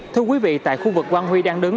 thưa quý vị tại khu vực quang huy đang đứng